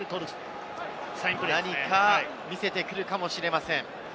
何か見せてくるかもしれません。